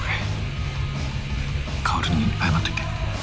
薫に謝っておいて。